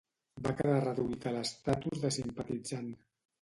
Va quedar reduït a l'estatus de simpatitzant.